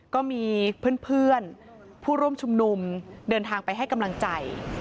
ก็มีเพื่อนผู้ร่วมชุมนุมเดินทางไปให้กำลังใจ